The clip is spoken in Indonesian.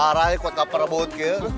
parahnya kuat kuat perebut